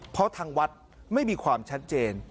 เพราะทางวัดไม่มีความชัดเจน